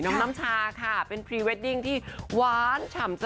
น้องน้ำชาเป็นพรีว์แวดดิงที่ว้านฉ่ำเส๔๓๐๐๐๐๐๐๐๐๐๐